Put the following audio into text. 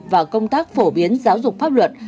và công tác phổ biến giáo dục pháp luật